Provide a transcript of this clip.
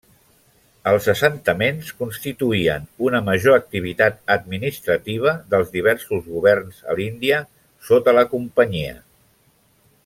Els assentaments constituïen una major activitat administrativa dels diversos governs a l'Índia sota la Companyia.